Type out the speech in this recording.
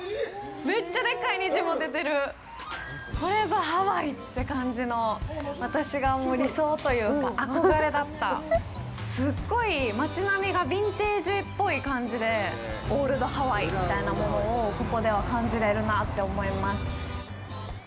めっちゃでっかい虹も出てるこれぞハワイって感じの私が理想というか憧れだったすっごい町並みがビンテージっぽい感じでオールドハワイみたいなものをここでは感じれるなって思います